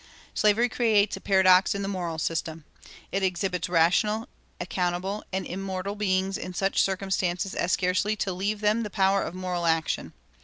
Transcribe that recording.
Slavery creates a paradox in the moral system. It exhibits rational, accountable, and immortal beings in such circumstances as scarcely to leave them the power of moral action.